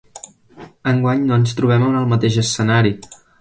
Enguany no ens trobem en el mateix escenari.